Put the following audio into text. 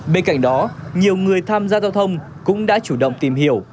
bên cạnh đó nhiều người tham gia giao thông cũng đã chủ động tìm hiểu